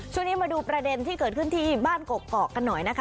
ช่วงนี้มาดูประเด็นที่เกิดขึ้นที่บ้านกกอกกันหน่อยนะคะ